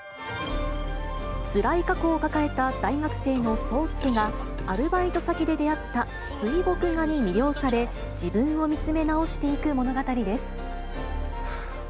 つらい過去を抱えた大学生の霜介がアルバイト先で出会った水墨画に魅了され、自分を見つめ直していく物語です。